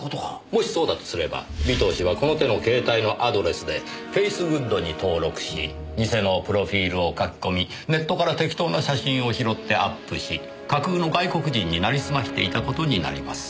もしそうだとすれば尾藤氏はこの手の携帯のアドレスでフェイスグッドに登録し偽のプロフィールを書き込みネットから適当な写真を拾ってアップし架空の外国人に成りすましていた事になります。